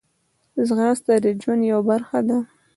ځغاسته د ژوند یوه برخه ده